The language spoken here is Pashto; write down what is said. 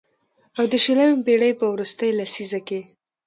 او د شلمې پېړۍ په وروستۍ لسيزه کې